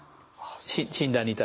診断に至る。